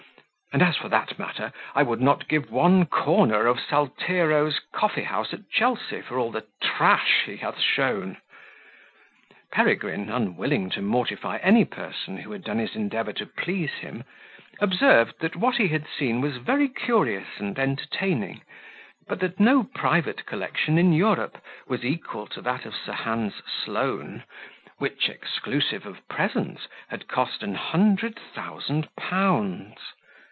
And as for that matter, I would not give one corner of Saltero's coffee house at Chelsea for all the trash he hath shown." Peregrine, unwilling to mortify any person who had done his endeavour to please him, observed, that what he had seen was very curious and entertaining; but that no private collection in Europe was equal to that of Sir Hans Sloane, which, exclusive of presents, had cost an hundred thousand pounds.